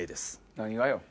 何がよ？